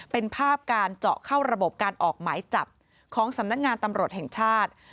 เป็นภาพการเจาะเข้าระบบการออกหมายจับของสำนักงานตำรวจแห่งชาติ